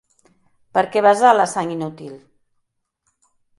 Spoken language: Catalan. Per què vessar la sang inútil?